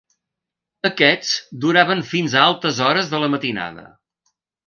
Aquests duraven fins a altes hores de la matinada.